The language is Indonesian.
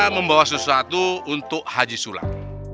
membawa sesuatu untuk haji sulat